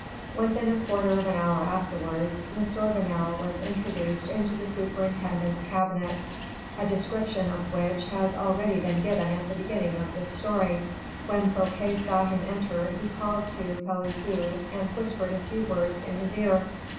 Within a quarter of an hour afterwards, M. Vanel was introduced into the superintendent's cabinet, a description of which has already been given at the beginning of this story. When Fouquet saw him enter, he called to Pelisson, and whispered a few words in his ear.